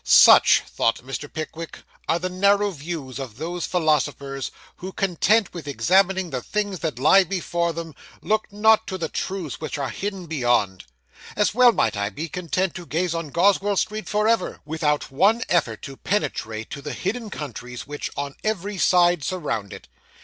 'Such,' thought Mr. Pickwick, 'are the narrow views of those philosophers who, content with examining the things that lie before them, look not to the truths which are hidden beyond. As well might I be content to gaze on Goswell Street for ever, without one effort to penetrate to the hidden countries which on every side surround it.